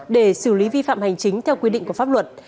để xử lý vi phạm hành chính theo quy định của pháp luật